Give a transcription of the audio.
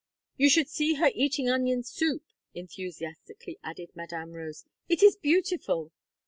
"You should see her eating onion soup," enthusiastically added Madame Rose. "It is beautiful!"